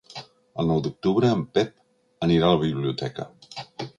El nou d'octubre en Pep anirà a la biblioteca.